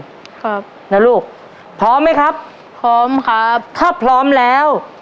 ครับนะลูกพร้อมไหมครับพร้อมครับถ้าพร้อมแล้ว